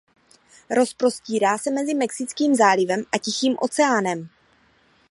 Rozprostírá se mezi Mexickým zálivem a Tichým oceánem.